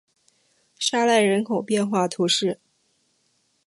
沙赖人口变化图示